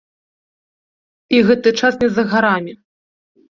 І гэты час не за гарамі.